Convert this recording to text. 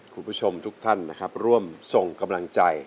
คุณผู้ชมทุกท่านนะครับร่วมส่งกำลังใจ